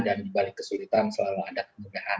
dan dibalik kesulitan selalu ada kemudahan